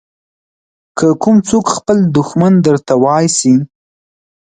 که کوم څوک خپل دښمن درته واېسي.